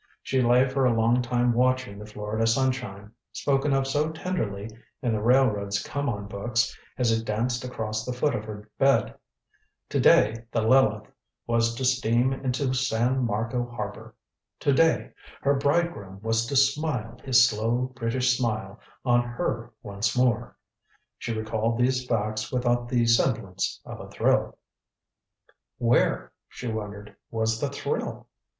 She lay for a long time watching the Florida sunshine, spoken of so tenderly in the railroad's come on books, as it danced across the foot of her bed. To day the Lileth was to steam into San Marco harbor! To day her bridegroom was to smile his slow British smile on her once more! She recalled these facts without the semblance of a thrill. Where, she wondered, was the thrill?